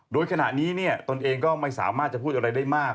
โดยขณะนี้ตนเองก็ไม่สามารถจะพูดอะไรได้มาก